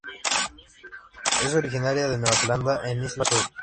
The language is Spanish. Es originaria de Nueva Zelanda en Isla Sur.